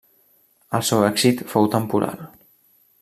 El seu èxit fou temporal.